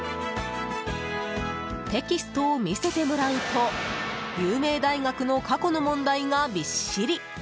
テキストを見せてもらうと有名大学の過去の問題がびっしり。